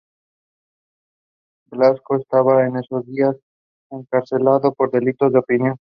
Blasco estaba en esos días encarcelado por delitos de opinión.